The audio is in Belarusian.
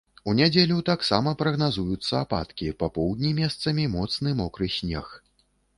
У нядзелю таксама прагназуюцца ападкі, па поўдні месцамі моцны мокры снег.